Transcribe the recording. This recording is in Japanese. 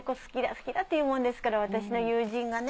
好きだって言うもんですから私の友人がね